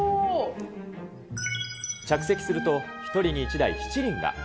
着席すると、１人に１台しちりんが。